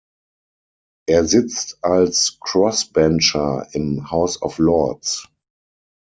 Er sitzt als Crossbencher im House of Lords.